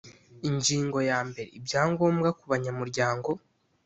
ingingo ya mbere ibyangombwa kubanyamuryango